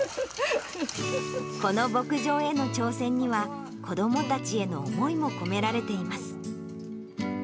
この牧場への挑戦には、子どもたちへの思いも込められています。